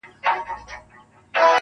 لمن كي مي د سپينو ملغلرو كور ودان دى_